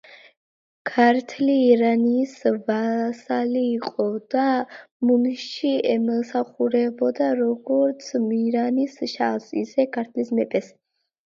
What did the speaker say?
ქართლი ირანის ვასალი იყო და მუნში ემსახურებოდა როგორც ირანის შაჰს, ისე ქართლის მეფეს.